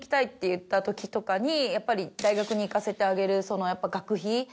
言ったときとかにやっぱり大学に行かせてあげる。